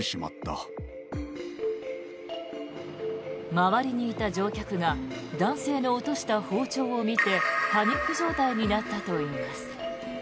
周りにいた乗客が男性の落とした包丁を見てパニック状態になったといいます。